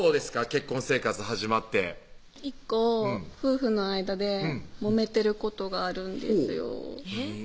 結婚生活始まって１個夫婦の間でもめてることがあるんですよえっ？